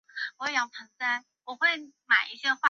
覃巴镇是下辖的一个乡镇级行政单位。